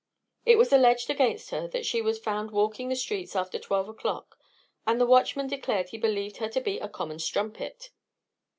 It was alleged against her that she was found walking the streets after twelve o'clock, and the watchman declared he believed her to be a common strumpet.